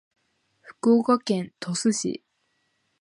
福岡県鳥栖市